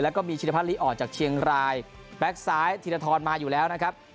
แล้วก็มีชินพัฒนลีออกจากเชียงรายแบ็คซ้ายธีรทรมาอยู่แล้วนะครับ